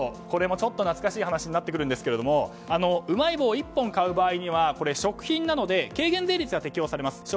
これも、ちょっと懐かしい話になってくるんですけどもうまい棒を１本買う場合にはこれは食品なので軽減税率が適用されます。